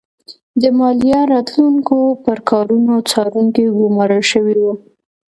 د مالیه راټولوونکو پر کارونو څارونکي ګورمال شوي وو.